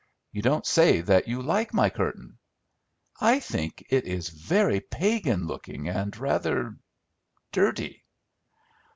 You don't say that you like my curtain!" "I think it is very pagan looking, and rather dirty."